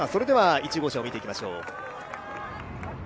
１号車を見ていきましょう。